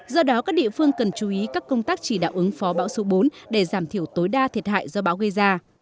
do đó các địa phương cần chú ý các công tác chỉ đạo ứng phó bão số bốn để giảm thiểu tối đa thiệt hại do bão gây ra